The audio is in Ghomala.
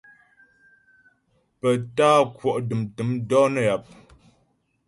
Pə tá'a kwɔ' dəm tə̂m dɔ̌ nə́ yap.